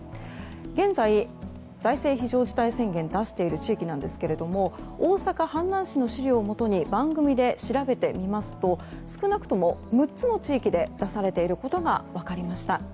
現在、財政非常事態宣言を出している地域ですが大阪・阪南市の資料をもとに番組で調べてみますと少なくとも６つの地域で出されていることが分かりました。